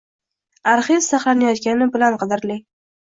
Arxiv saqlanayotgani bilan qadrli.